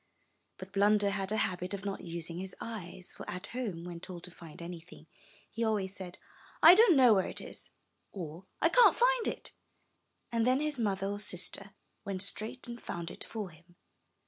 But Blunder had a habit of not using his eyes, for at home, when told to find anything, he always said, *1 don't know where it is,'' or, *'I can't find it," and then his mother or sister went straight and found it for him.